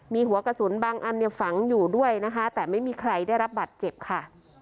มีหัวกระสุนบางอันเนี่ยฝังอยู่ด้วยนะคะแต่ไม่มีใครได้รับบัตรเจ็บค่ะ